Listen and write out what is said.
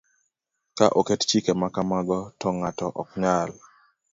Ka oket chike ma kamago, to ng'ato ok nyal